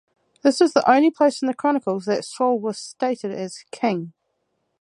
This is the only place in the Chronicles that Saul was stated as king.